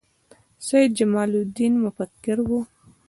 سید جمال الدین مفکر و